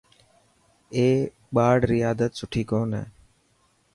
اي ٻاڙري عادت سٺي ڪون هي.